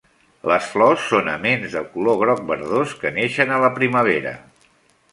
Les flors són aments de color groc verdós, que neixen a la primavera.